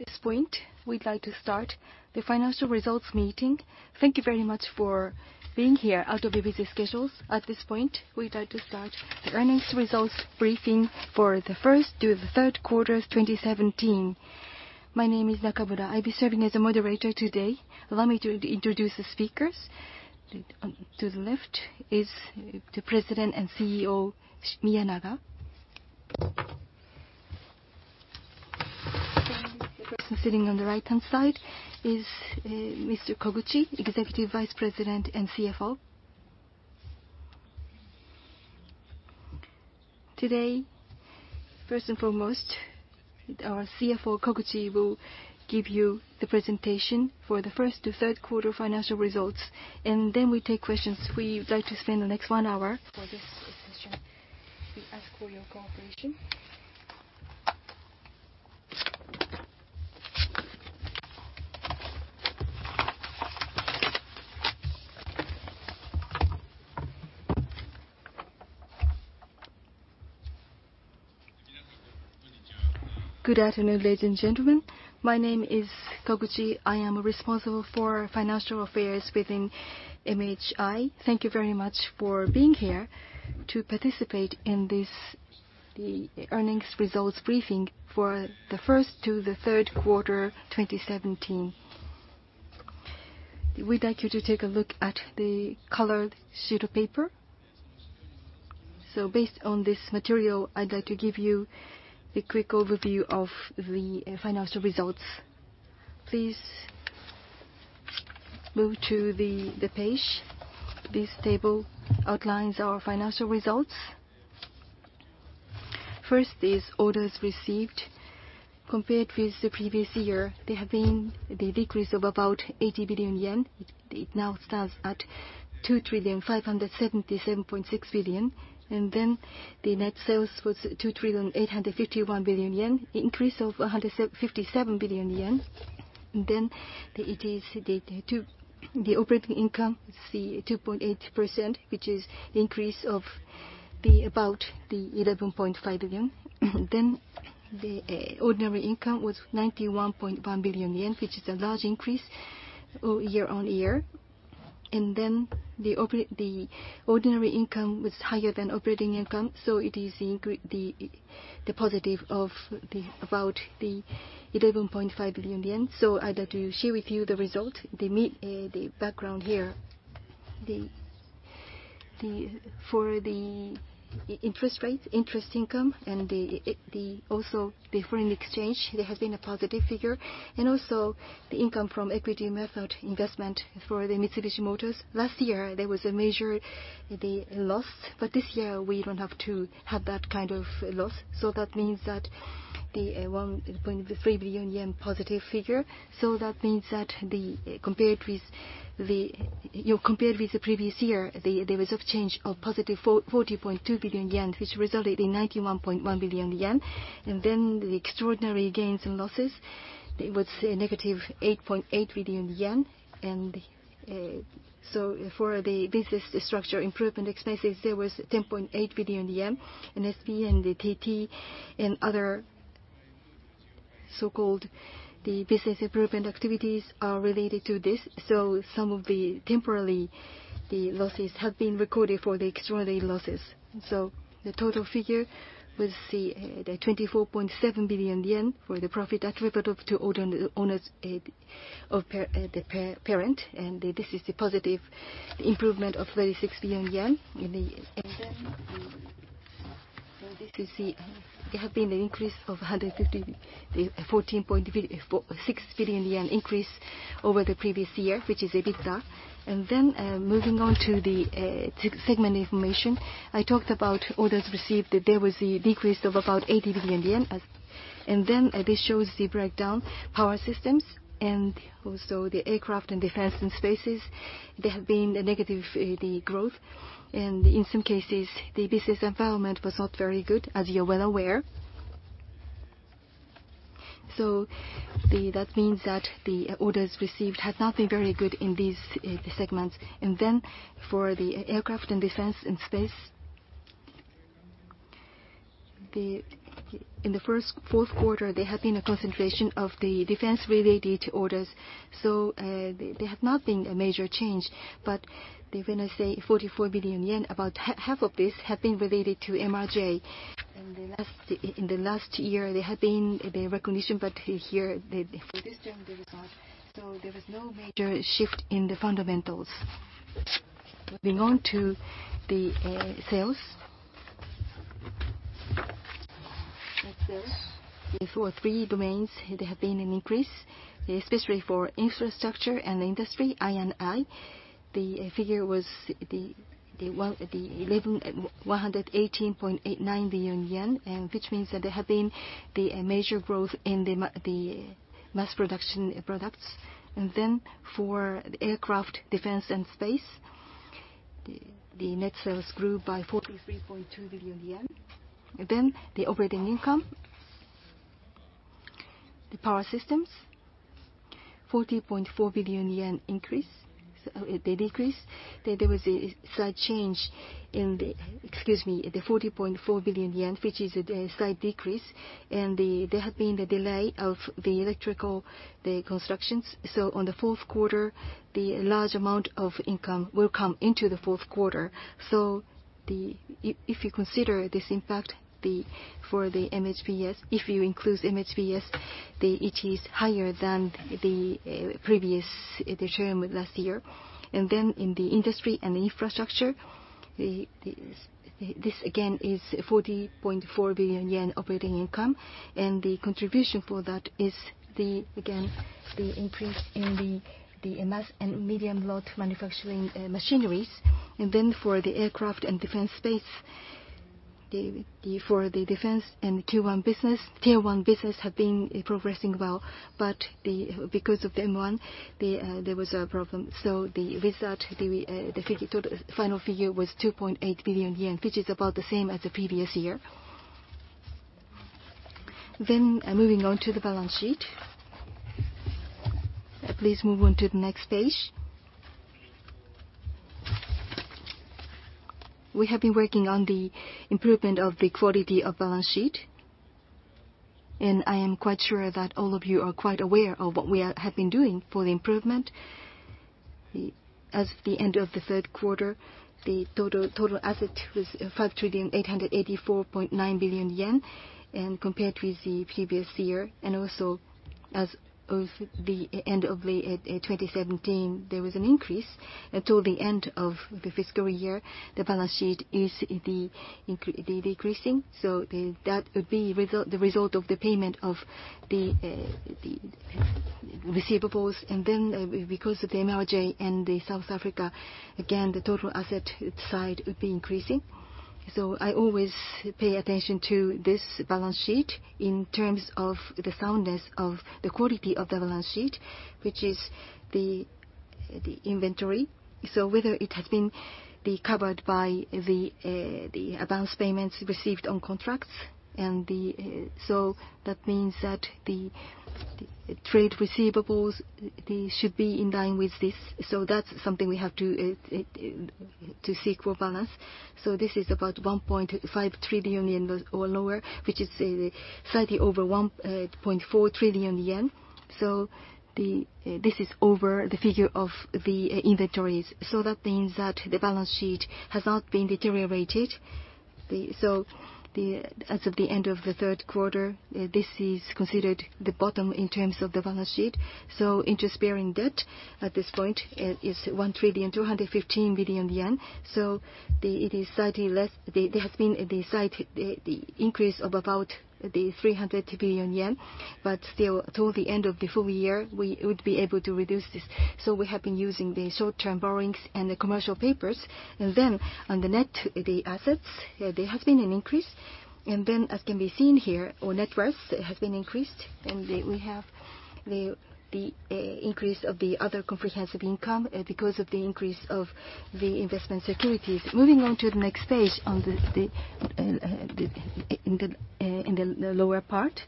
At this point, we'd like to start the financial results meeting. Thank you very much for being here out of your busy schedules. At this point, we'd like to start the earnings results briefing for the first to the third quarter of 2017. My name is Nakamura. I'll be serving as the moderator today. Allow me to introduce the speakers. To the left is the President and CEO, Miyanaga. The person sitting on the right-hand side is Mr. Koguchi, Executive Vice President and CFO. First and foremost, our CFO, Koguchi, will give you the presentation for the first to third quarter financial results. Then we'll take questions. We would like to spend the next one hour for this session. We ask for your cooperation. Good afternoon, ladies and gentlemen. My name is Koguchi. I am responsible for financial affairs within MHI. Thank you very much for being here to participate in the earnings results briefing for the first to the third quarter of 2017. We'd like you to take a look at the colored sheet of paper. Based on this material, I'd like to give you a quick overview of the financial results. Please move to the page. This table outlines our financial results. First is orders received. Compared with the previous year, there has been a decrease of about 80 billion yen. It now stands at 2,577.6 billion. The net sales was 2,851 billion yen, an increase of 157 billion yen. The operating income, we see 2.8%, which is an increase of about 11.5 billion. The ordinary income was 91.1 billion yen, which is a large increase year-on-year. The ordinary income was higher than operating income, so it is the positive of about 11.5 billion yen. I'd like to share with you the result, the background here. For the interest rates, interest income, and also the foreign exchange, there has been a positive figure, and also the income from equity method investment for Mitsubishi Motors. Last year, there was a major loss, but this year we don't have to have that kind of loss. That means that the 1.3 billion yen positive figure, that means that compared with the previous year, there was a change of positive 40.2 billion yen, which resulted in 91.1 billion yen. The extraordinary gains and losses, it was a negative 8.8 billion yen. For the business structure improvement expenses, there was 10.8 billion yen in SP, TT, and other so-called business improvement activities are related to this. Some of the temporary losses have been recorded for the extraordinary losses. The total figure was the 24.7 billion yen for the profit attributable to owners of the parent. This is the positive improvement of 36 billion yen. There has been an increase of 114.6 billion yen increase over the previous year, which is EBITDA. Moving on to the segment information. I talked about orders received, that there was a decrease of about 80 billion yen. This shows the breakdown. Power Systems and also the aircraft defense and space, there has been negative growth. In some cases, the business environment was not very good, as you're well aware. That means that the orders received have not been very good in these segments. For the aircraft, defense, and space, in the fourth quarter, there has been a concentration of the defense-related orders. There has not been a major change, but when I say 44 billion yen, about half of this has been related to MRJ. In the last year, there had been the recognition, but here for this term, there was not. There was no major shift in the fundamentals. Moving on to the sales. Net sales. For three domains, there has been an increase, especially for infrastructure and industry, I&I. The figure was 118.89 billion yen, which means that there has been major growth in the mass production products. For aircraft, defense, and space, the net sales grew by 43.2 billion yen. The operating income. The Power Systems 40.4 billion yen increase. The decrease, there was a slight change in the, excuse me, the 40.4 billion yen, which is a slight decrease. There had been the delay of the electrical constructions. On the fourth quarter, the large amount of income will come into the fourth quarter. If you consider this impact for the MHPS, if you include MHPS, it is higher than the previous term last year. In the industry and infrastructure, this again is a 40.4 billion yen operating income. The contribution for that is again, the increase in the MS and medium lot manufacturing machineries. For the aircraft and defense space, for the defense and Tier 1 business, Tier 1 business have been progressing well. Because of MRJ, there was a problem. The result, the final figure was 2.8 billion yen, which is about the same as the previous year. Moving on to the balance sheet. Please move on to the next page. We have been working on the improvement of the quality of balance sheet. I am quite sure that all of you are quite aware of what we have been doing for the improvement. As of the end of the third quarter, the total asset was 5,884.9 billion yen and compared with the previous year, and also as of the end of 2017, there was an increase. Until the end of the fiscal year, the balance sheet is decreasing, that would be the result of the payment of the receivables. Because of the MRJ and South Africa, again, the total asset side would be increasing. I always pay attention to this balance sheet in terms of the soundness of the quality of the balance sheet, which is the inventory. Whether it has been covered by the advance payments received on contracts, that means that the trade receivables should be in line with this. That's something we have to seek for balance. This is about 1.5 trillion yen or lower, which is slightly over 1.4 trillion yen. This is over the figure of the inventories. That means that the balance sheet has not been deteriorated. As of the end of the third quarter, this is considered the bottom in terms of the balance sheet. Interest-bearing debt at this point is 1 trillion, 215 billion yen. It is slightly less. There has been a slight increase of about 300 billion yen. Still, until the end of the full year, we would be able to reduce this. We have been using the short-term borrowings and the commercial papers. On the net, the assets, there has been an increase. As can be seen here, our net worth has been increased. We have the increase of the other comprehensive income because of the increase of the investment securities. Moving on to the next page in the lower part.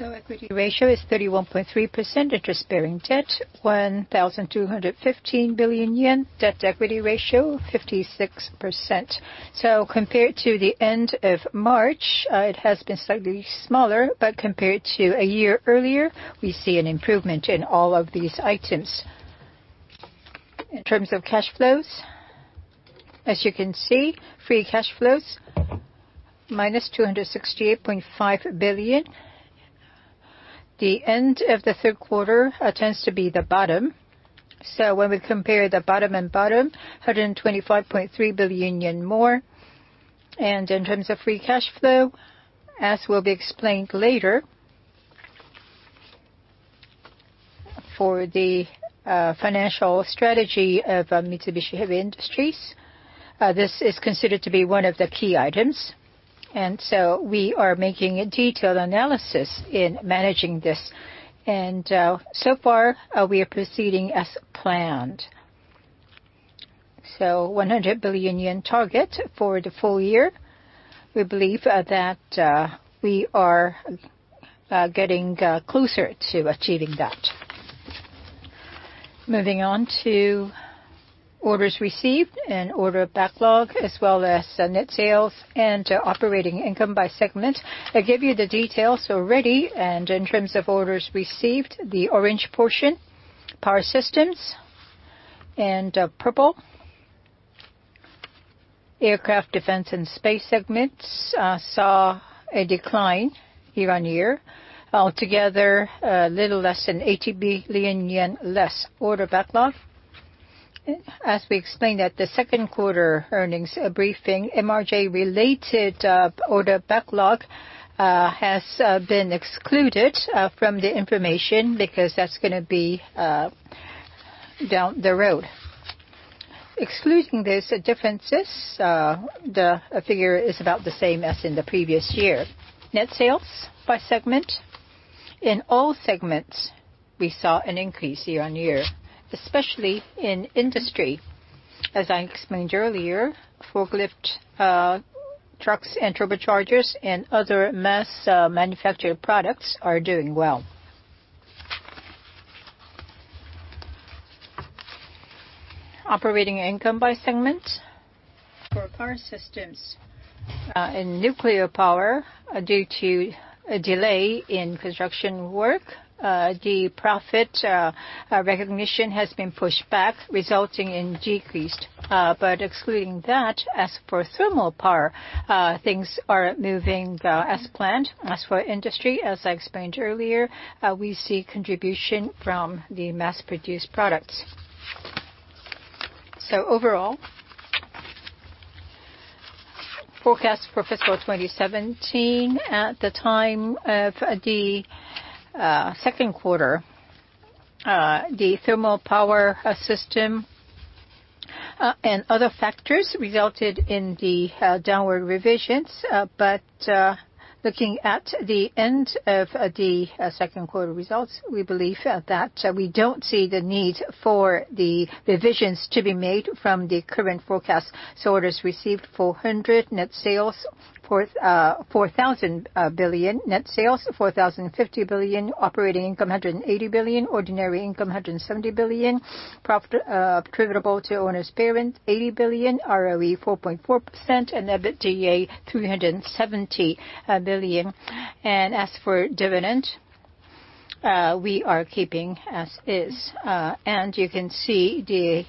Equity ratio is 31.3%, interest-bearing debt, 1,215 billion yen, debt equity ratio 56%. Compared to the end of March, it has been slightly smaller, but compared to a year earlier, we see an improvement in all of these items. In terms of cash flows, as you can see, free cash flows, -268.5 billion. The end of the third quarter tends to be the bottom. When we compare the bottom and bottom, 125.3 billion yen more. In terms of free cash flow, as will be explained later, for the financial strategy of Mitsubishi Heavy Industries, this is considered to be one of the key items. We are making a detailed analysis in managing this. So far, we are proceeding as planned. 100 billion yen target for the full year, we believe that we are getting closer to achieving that. Moving on to orders received and order backlog as well as net sales and operating income by segment. I gave you the details already. In terms of orders received, the orange portion, Power Systems, and purple, aircraft defense and space segments saw a decline year-on-year. Altogether, a little less than 80 billion yen less order backlog. As we explained at the second quarter earnings briefing, MRJ-related order backlog has been excluded from the information because that's going to be down the road. Excluding those differences, the figure is about the same as in the previous year. Net sales by segment. In all segments, we saw an increase year-on-year, especially in I&I. As I explained earlier, forklift trucks and turbochargers and other mass-manufactured products are doing well. Operating income by segment. For Power Systems, in nuclear power, due to a delay in construction work, the profit recognition has been pushed back, resulting in decreased. Excluding that, as for thermal power, things are moving as planned. As for I&I, as I explained earlier, we see contribution from the mass-produced products. Overall, forecast for fiscal 2017, at the time of the second quarter, the thermal power system and other factors resulted in the downward revisions. Looking at the end of the second quarter results, we believe that we don't see the need for the revisions to be made from the current forecast. Orders received, 4,000 billion. Net sales, 4,050 billion. Operating income, 180 billion. Ordinary income, 170 billion. Profit attributable to owners' parent, 80 billion. ROE, 4.4%. EBITDA, 370 billion. As for dividend, we are keeping as is. You can see the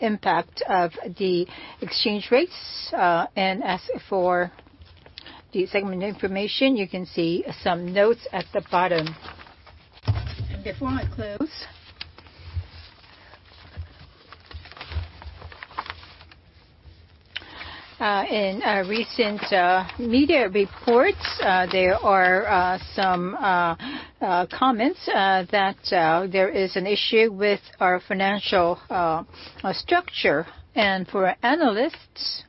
impact of the exchange rates. As for the segment information, you can see some notes at the bottom. Before I close, in recent media reports, there are some comments that there is an issue with our financial structure. For our analysts,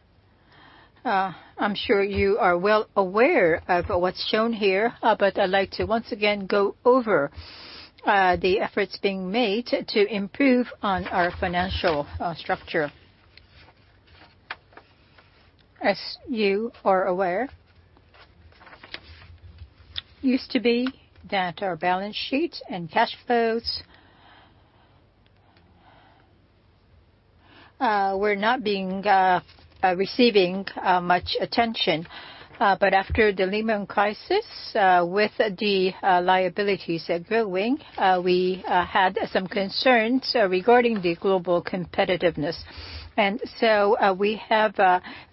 I'm sure you are well aware of what's shown here, but I'd like to once again go over the efforts being made to improve on our financial structure. As you are aware, used to be that our balance sheet and cash flows were not receiving much attention. After the Lehman crisis, with the liabilities growing, we had some concerns regarding the global competitiveness. So we have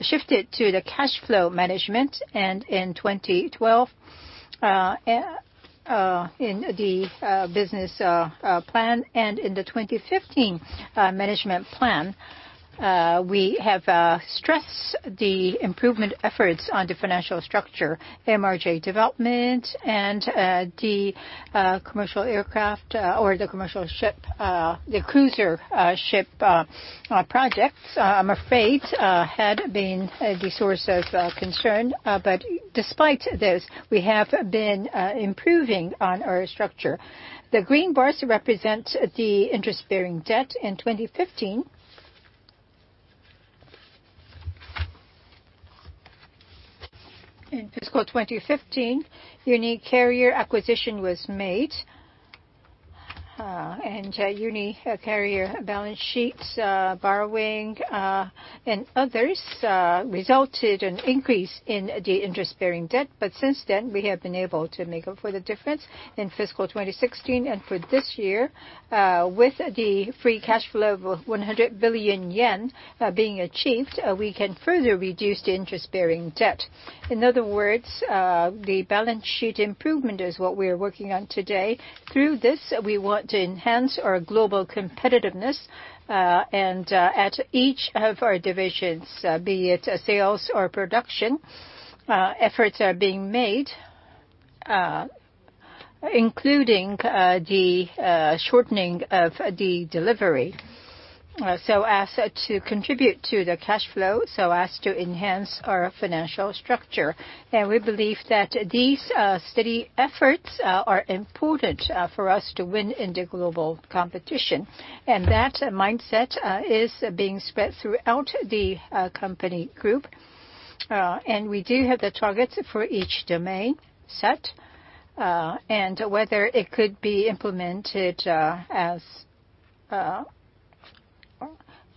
shifted to the cash flow management. In 2012, in the business plan and in the 2015 management plan, we have stressed the improvement efforts on the financial structure, MRJ development, and the commercial ship, the cruise ship projects, I'm afraid, had been the source of concern. Despite this, we have been improving on our structure. The green bars represent the interest-bearing debt in 2015. In fiscal 2015, UniCarriers acquisition was made, and UniCarriers balance sheets, borrowing, and others resulted in increase in the interest-bearing debt. Since then, we have been able to make up for the difference in fiscal 2016. For this year, with the free cash flow of 100 billion yen being achieved, we can further reduce the interest-bearing debt. In other words, the balance sheet improvement is what we are working on today. Through this, we want to enhance our global competitiveness. At each of our divisions, be it sales or production, efforts are being made, including the shortening of the delivery, so as to contribute to the cash flow, so as to enhance our financial structure. We believe that these steady efforts are important for us to win in the global competition. That mindset is being spread throughout the company group. We do have the targets for each domain set, and whether it could be implemented as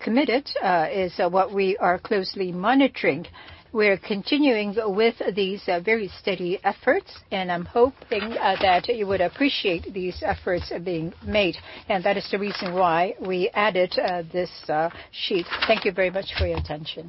committed is what we are closely monitoring. We're continuing with these very steady efforts, and I'm hoping that you would appreciate these efforts being made. That is the reason why we added this sheet. Thank you very much for your attention.